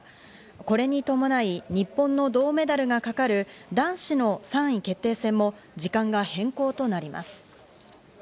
これに伴い、日本の銅メダルがかかる男子の３位決定戦も時間が変更となります。